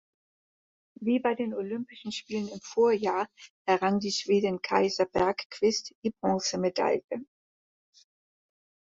Wie bei den Olympischen Spielen im Vorjahr errang die Schwedin Kajsa Bergqvist die Bronzemedaille.